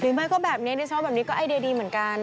หรือไม่ก็แบบนี้ในช่วงแบบนี้ก็ไอเดียดีเหมือนกัน